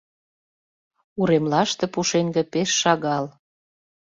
Уремлаште пушеҥге пеш шагал.